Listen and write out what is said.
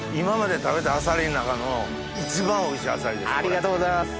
ありがとうございます。